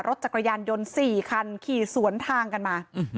รถจักรยานยนต์๔คันขี่สวนทางกันมา